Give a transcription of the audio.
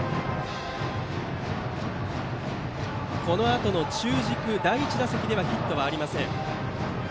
このあとの中軸は第１打席ではヒットはありません。